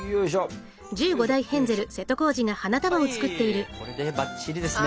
はいこれでバッチリですね！